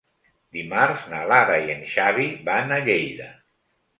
Dimarts na Lara i en Xavi van a Lleida.